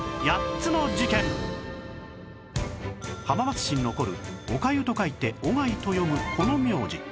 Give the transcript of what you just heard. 浜松市に残る「小粥」と書いて「おがい」と読むこの名字